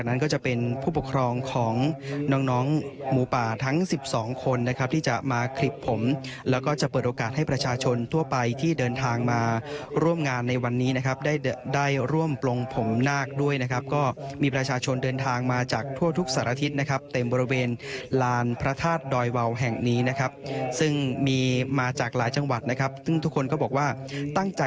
นั้นก็จะเป็นผู้ปกครองของน้องน้องหมูป่าทั้ง๑๒คนนะครับที่จะมาคลิปผมแล้วก็จะเปิดโอกาสให้ประชาชนทั่วไปที่เดินทางมาร่วมงานในวันนี้นะครับได้ได้ร่วมปลงผมนาคด้วยนะครับก็มีประชาชนเดินทางมาจากทั่วทุกสารทิศนะครับเต็มบริเวณลานพระธาตุดอยวาวแห่งนี้นะครับซึ่งมีมาจากหลายจังหวัดนะครับซึ่งทุกคนก็บอกว่าตั้งใจ